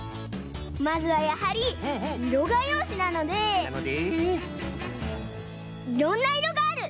まずはやはりいろがようしなので「いろんないろがある」です。